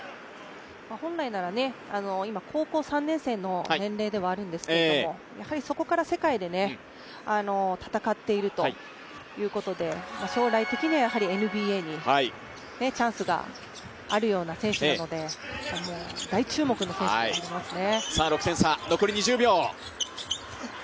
本来なら、今、高校３年生の年齢ではあるんですけど、そこから世界で戦っているということで、将来的にはやはりＮＢＡにチャンスがあるような選手なので大注目の選手ですね。